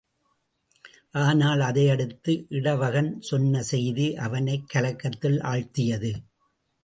ஆனால் அதையடுத்து இடவகன் சொன்ன செய்தி அவனைக் கலக்கத்தில் ஆழ்த்தியது.